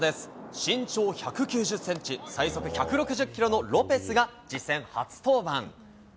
身長１９０センチ、最速１６０キロのロペスが実戦初登板。